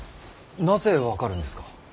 なぜ分かるんですか。